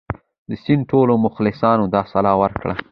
د سید ټولو مخلصانو دا سلا ورکړه.